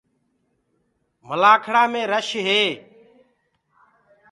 مَلآکڙآ مينٚ رش هي۔